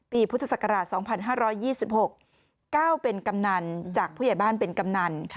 พุทธศักราช๒๕๒๖๙เป็นกำนันจากผู้ใหญ่บ้านเป็นกำนัน